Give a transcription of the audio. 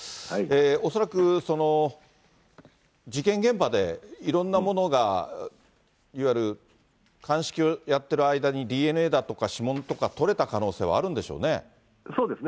恐らく、事件現場で、いろんなものが、いわゆる鑑識をやってる間に、ＤＮＡだとか指紋とか取れた可能性はあるんでしょうね。